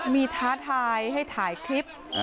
มีท้าทายให้ถ่ายคลิป